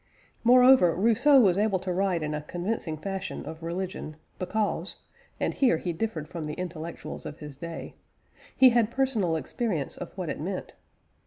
Moreover, Rousseau was able to write in a convincing fashion of religion, because (and here he differed from the intellectuals of his day) he had personal experience of what it meant.